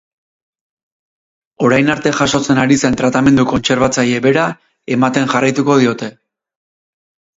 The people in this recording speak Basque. Orain arte jasotzen ari zen tratamendu kontserbatzaile bera ematen jarraituko diote.